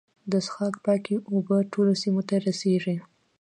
د څښاک پاکې اوبه ټولو سیمو ته رسیږي.